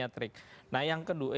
yang berikutnya yang pertama